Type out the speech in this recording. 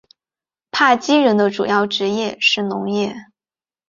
帕基人的主要职业是农业。